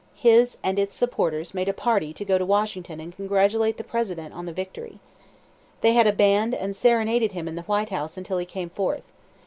His and its supporters made a party to go to Washington and congratulate the President on the victory. They had a band and serenaded him in the White House until he came forth.